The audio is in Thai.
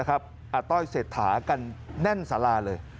อาต้อยเศรษฐากันแน่นสาราเลย